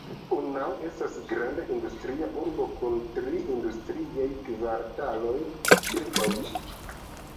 Unnao estas granda industria urbo kun tri industriaj kvartaloj ĉirkaŭ ĝi.